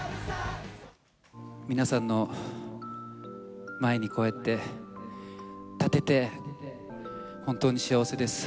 皆さんの前にこうやって立てて、本当に幸せです。